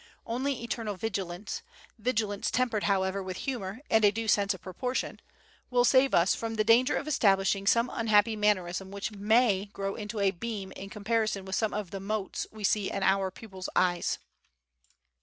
Only eternal vigilance vigilance tempered, however, with humor and a due sense of proportion will save us from the danger of establishing some unhappy mannerism which may grow into a beam in comparison with some of the motes we see in our pupils' eyes!